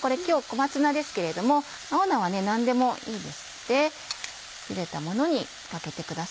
これ今日小松菜ですけれども青菜は何でもいいですのでゆでたものにかけてください。